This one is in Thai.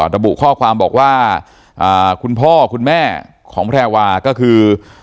ระบุข้อความบอกว่าคุณพ่อคุณแม่ของแพรวาก็คือ